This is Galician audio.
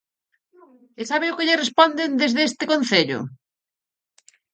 ¿E sabe o que lle responden desde este concello?